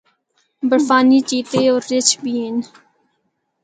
برفانی چیتے ہور رِچھ بھی ہن۔